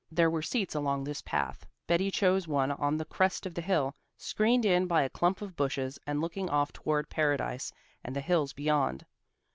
There were seats along this path. Betty chose one on the crest of the hill, screened in by a clump of bushes and looking off toward Paradise and the hills beyond.